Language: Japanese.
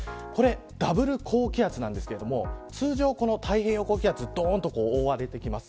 ダブル高気圧なんですけど通常、太平洋高気圧に覆われてきます。